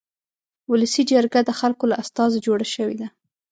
ولسي جرګه د خلکو له استازو جوړه شوې ده.